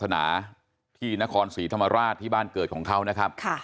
ในบ้านเกิดของเขานะครับ